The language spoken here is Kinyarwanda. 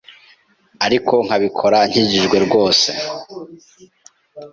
ariko nkabikora nkijijwe rwose